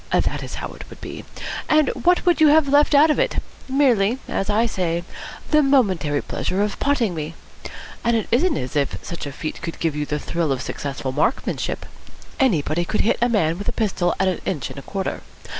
That is how it would be. And what would you have left out of it? Merely, as I say, the momentary pleasure of potting me. And it isn't as if such a feat could give you the thrill of successful marksmanship. Anybody could hit a man with a pistol at an inch and a quarter.